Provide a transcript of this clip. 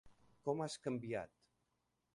Com has canviat!